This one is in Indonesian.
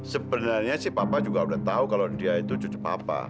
sebenarnya sih papa juga sudah tahu kalau dia itu cucu papa